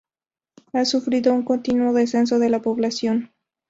Ha sufrido un continuo descenso de la población.